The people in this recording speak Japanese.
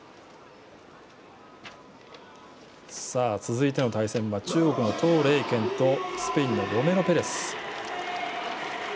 続いての対戦は中国のとう麗娟とスペインのロメロペレス。